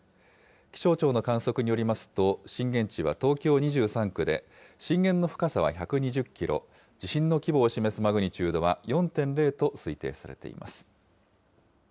気象庁の観測によりますと、震源地は東京２３区で、震源の深さは１２０キロ、地震の規模を示すマグニチュードは、４．０と推定されています。